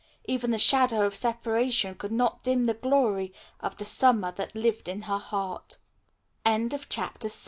Even the shadow of separation could not dim the glory of the summer that lived in her hea